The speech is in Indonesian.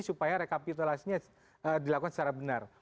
supaya rekapitulasinya dilakukan secara benar